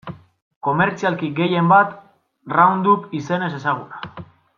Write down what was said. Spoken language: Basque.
Komertzialki gehien bat Roundup izenez ezaguna.